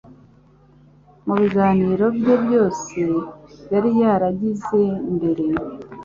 Mu biganiro bye byose yari yaragize mbere,